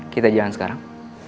kita jalan sekarang